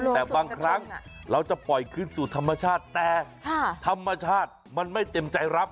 แต่บางครั้งเราจะปล่อยคืนสู่ธรรมชาติแต่ธรรมชาติมันไม่เต็มใจรับ